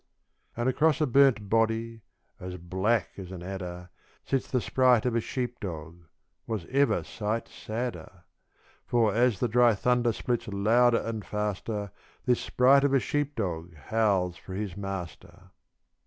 And across a burnt body, as black as an adder, Sits the sprite of a sheep dog (was ever sight sadder?) For, as the dry thunder splits louder and faster, This sprite of a sheep dog howls for his master.